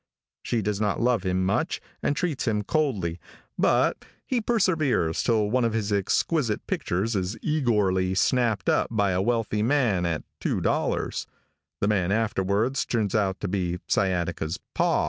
She does not love him much, and treats him coldly; but he perseveres till one of his exquisite pictures is egorly snapt up by a wealthy man at $2. The man afterwards turns out to be Sciataca's pa.